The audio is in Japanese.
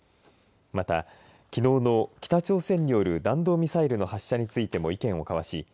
また、きのうの北朝鮮による弾道ミサイルの発射についても意見を交わし